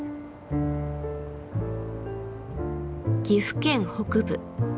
岐阜県北部。